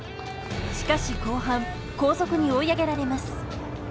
しかし後半、後続に追い上げられます。